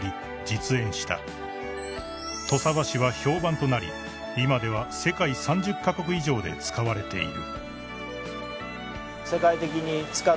［土佐和紙は評判となり今では世界３０カ国以上で使われている］